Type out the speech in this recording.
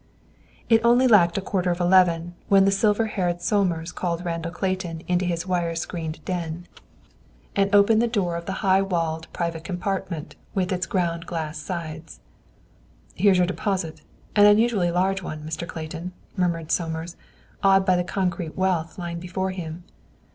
It only lacked a quarter of eleven when the silver haired Somers called Randall Clayton into his wire screened den, and opened the door of the high walled private compartment with its ground glass sides. "Here's your deposit, an unusually large one, Mr. Clayton," murmured Somers, awed by the concrete wealth lying before him.